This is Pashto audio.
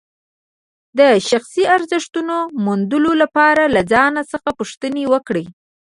د شخصي ارزښتونو موندلو لپاره له ځان څخه پوښتنې وکړئ.